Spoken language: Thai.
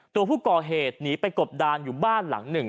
ตัวผู้ก่อเหตุหนีไปกบดานอยู่บ้านหลังหนึ่ง